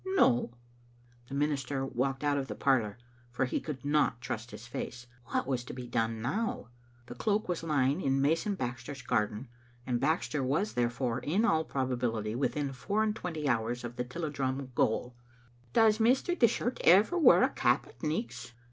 "No." The minister walked out of the parlour, for he could not trust his face. What was to be done now? The cloak was lying in mason Baxter's garden, and Baxter was therefore, in all probability, within f our and twenty hours of the Tilliedrum gaol. "Does Mr. Dishart ever wear a cap at nichts?"